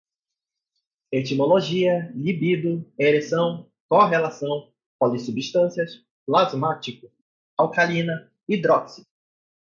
etimologia, libido, ereção, correlação, polissubstâncias, plasmático, alcalina, hidróxido